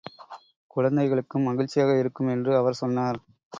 குழந்தைகளுக்கும் மகிழ்ச்சியாக இருக்கும் என்று அவர் சொன்னார்.